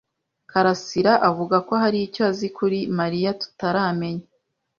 karasira avuga ko hari icyo azi kuri Mariya tutaramenya.